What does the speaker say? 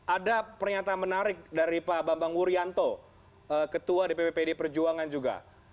ada pernyataan menarik dari pak bambang wuryanto ketua dpp pd perjuangan juga